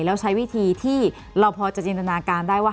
แล้วใช้วิธีที่เราพอจะจินตนาการได้ว่า